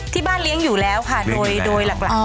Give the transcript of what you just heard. ที่บ้านเลี้ยงอยู่แล้วค่ะโดยหลัก